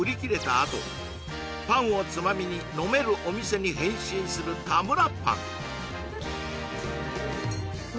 あとパンをツマミに飲めるお店に変身するたむらパン